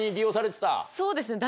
そうですね。